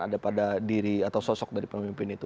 ada pada diri atau sosok dari pemimpin itu